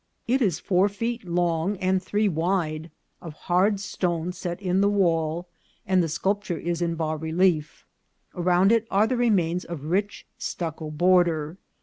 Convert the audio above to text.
It is four feet long and three wide, of hard stone set in the wall, and the sculpture is in bas relief. Around it are the remains of a rich stucco border.